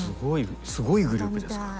すごいグループですから。